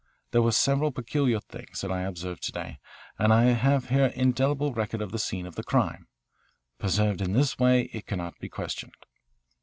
There were several peculiar things that I observed to day, and I have here an indelible record of the scene of the crime. Preserved in this way it cannot be questioned.